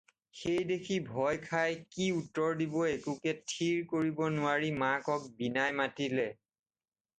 সেইদেখি ভয় খাই কি উত্তৰ দিব একোকে থিৰ কৰিব নোৱাৰি মাকক বিনাই মাতিলে।